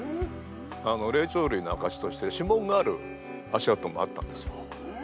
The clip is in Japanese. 霊長類のあかしとして指紋がある足跡もあったんですよ。